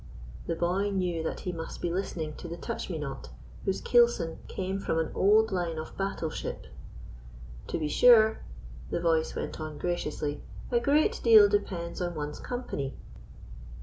The boy knew that he must be listening to the Touch me not, whose keelson came from an old line of battle ship. "To be sure," the voice went on graciously, "a great deal depends on one's company."